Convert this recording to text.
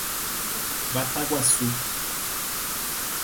Bataguaçu